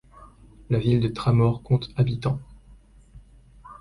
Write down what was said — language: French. La ville de Tramore compte habitants.